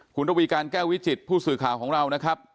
คุณระวีการแก้ววิจิตผู้สื่อข่าวของเรานะครับ